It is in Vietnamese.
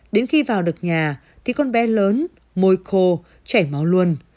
đến khi vào được nhà thì con bé lớn môi khô chảy máu luôn